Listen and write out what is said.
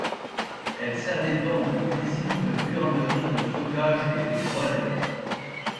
Elle servait donc de cuisine, de buanderie, de stockage et de toilettes.